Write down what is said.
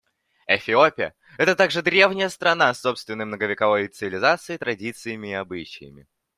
Эфиопия — это также древняя страна с собственной многовековой цивилизацией, традициями и обычаями.